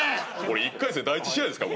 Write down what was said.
１回戦第１試合ですか？